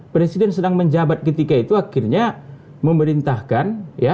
presiden sedang menjabat ketika itu akhirnya memerintahkan